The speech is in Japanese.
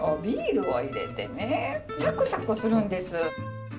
ビールを入れてねサクサクするんです。